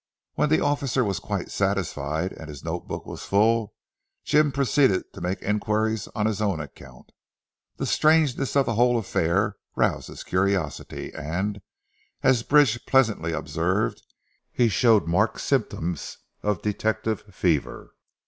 When the officer was quite satisfied and his note book was full, Jim proceeded to make enquiries on his own account. The strangeness of the whole affair, roused his curiosity, and as Bridge pleasantly observed, he showed marked symptoms of "detective fever."